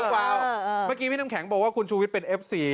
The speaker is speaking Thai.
เมื่อกี้พี่น้ำแข็งบอกว่าคุณชูวิทย์เป็นเอฟซี